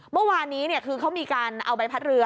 เมื่อวานนี้คือเขามีการเอาใบพัดเรือ